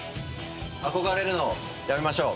憧れるのやめましょう。